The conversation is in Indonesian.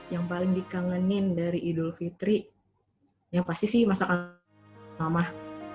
yang paling dikangenin dari idul fitri yang pasti sih masakan mamah